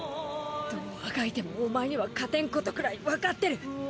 どうあがいてもお前には勝てんことくらいわかってる！